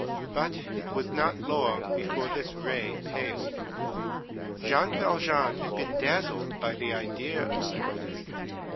But it was not long before this ray paled. Jean Valjean had been dazzled by the idea of liberty.